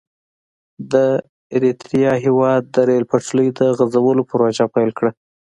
د اریتریا هېواد د ریل پټلۍ د غزولو پروژه پیل کړه.